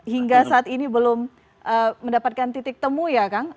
hingga saat ini belum mendapatkan titik temu ya kang